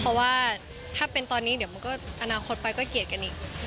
เพราะว่าถ้าเป็นตอนนี้เดี๋ยวมันก็อนาคตไปก็เกลียดกันอีก